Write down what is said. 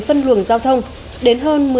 phân luồng giao thông đến hơn